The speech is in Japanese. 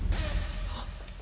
あっ。